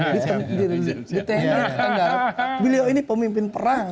di tni di tengah di tenggara beliau ini pemimpin perang